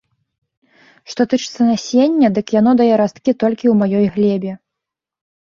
Што тычыцца насення, дык яно дае расткі толькі ў маёй глебе.